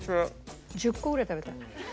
１０個ぐらい食べたい。